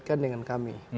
berbeda dengan obor rakyat